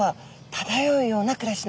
漂うような暮らし。